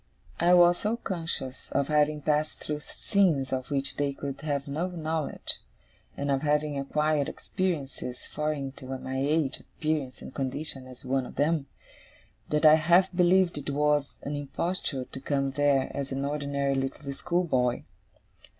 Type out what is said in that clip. I was so conscious of having passed through scenes of which they could have no knowledge, and of having acquired experiences foreign to my age, appearance, and condition as one of them, that I half believed it was an imposture to come there as an ordinary little schoolboy.